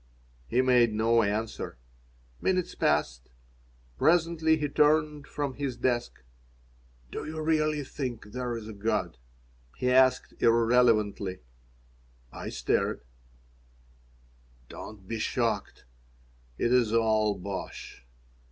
'" He made no answer. Minutes passed. Presently he turned from his desk "Do you really think there is a God?" he asked, irrelevantly I stared "Don't be shocked. It is all bosh."